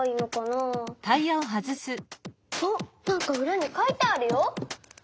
あっなんかうらに書いてあるよ。